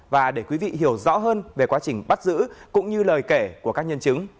và để quý vị hiểu rõ hơn về quá trình bắt giữ cũng như lời kể của các nhân chứng